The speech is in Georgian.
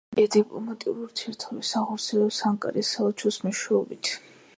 ირლანდია დიპლომატიურ ურთიერთობებს ახორციელებს ანკარის საელჩოს მეშვეობით.